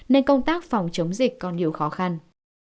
nên công tác phòng chống dịch còn nhiều khó khăn